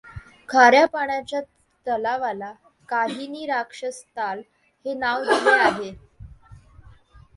खाऱ्य़ा पाण्याच्या तलावाला काहीनी राक्षसताल हे नाव दिले आहे.